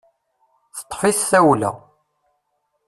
Teṭṭefi-t tawla.